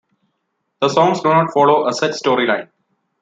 The songs do not follow a set storyline.